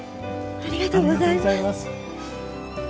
ありがとうございます。